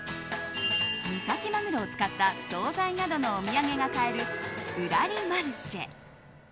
三崎マグロを使った総菜などのお土産が買える、うらりマルシェ。